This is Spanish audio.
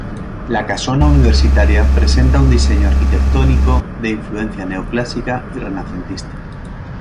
La Casona Universitaria presenta un diseño arquitectónico de influencia neoclásica y renacentista.